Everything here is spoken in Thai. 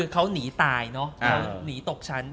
เขาหนีตายเนอะหนีตกชั้น